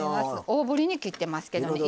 大ぶりに切ってますけどね